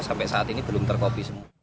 sampai saat ini belum terkopi semua